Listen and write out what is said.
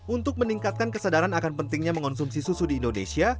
untuk meningkatkan kesadaran akan pentingnya mengonsumsi susu di indonesia